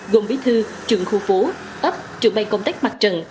gồm bí thư trưởng khu phố ấp trưởng bay công tác mặt trận